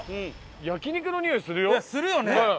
焼肉のにおいするよ！するよね！